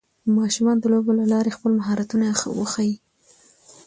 ماشومان د لوبو له لارې خپل مهارتونه وښيي